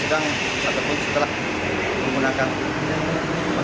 sedang ataupun setelah menggunakan